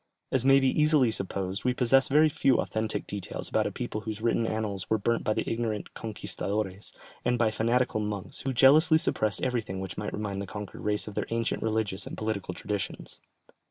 As may be easily supposed, we possess very few authentic details about a people whose written annals were burnt by the ignorant "conquistadores" and by fanatical monks, who jealously suppressed everything which might remind the conquered race of their ancient religious and political traditions.